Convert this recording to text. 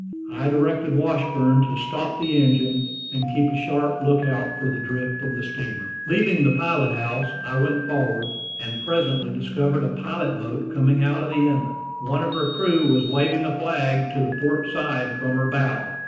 I directed Washburn to stop the engine, and keep a sharp lookout for the drift of the steamer. Leaving the pilot house, I went forward, and presently discovered a pilot boat coming out of the inlet. One of her crew was waving a flag to the port side from her bow.